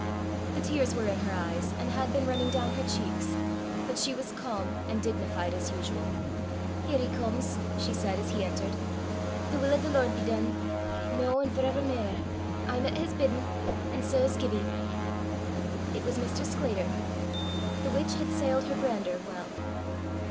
The tears were in her eyes, and had been running down her cheeks, but she was calm and dignified as usual. "Here he comes!" she said as he entered. "The will o' the Lord be dune noo an' for ever mair! I'm at his biddin'. An' sae's Gibbie." It was Mr. Sclater. The witch had sailed her brander well.